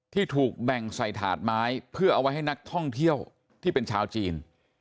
ที่ถูกแบ่งใส่ถาดไม้เพื่อเอาไว้ให้นักท่องเที่ยวที่เป็นชาวจีน